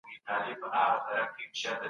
د بسنت جشن په تاریخي لحاظ څه مانا لري؟